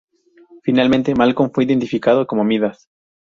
Finalmente Malcom fue identificado como Midas.